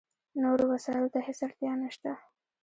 نورو وسایلو ته هېڅ اړتیا نشته.